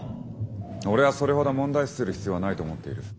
俺はそれほど問題視する必要はないと思っている。